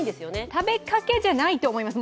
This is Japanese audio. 食べかけじゃないと思います。